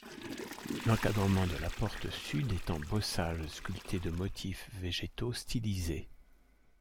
L'encadrement de la porte sud est en bossage sculpté de motifs végétaux stylisés.